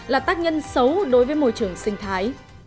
là tác nhân xấu đối với môi trường sinh thái